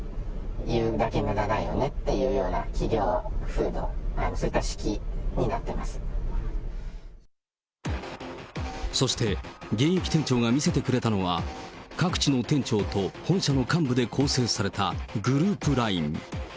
言うだけむだだよねっていう企業風土、そして、現役店長が見せてくれたのは、各地の店長と本社の幹部で構成されたグループＬＩＮＥ。